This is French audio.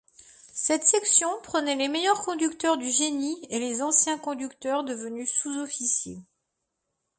Cette section prenait les meilleurs conducteurs du génie et les anciens conducteurs devenus sous-officiers.